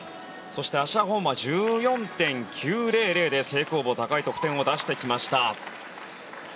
そしてアシャー・ホンは１４．９００で平行棒高い得点を出してきました。